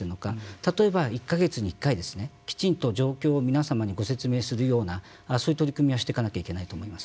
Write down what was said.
例えば、１か月に１回きちんと状況を皆さまにご説明するようなそういう取り組みはしていかないといけないと思います。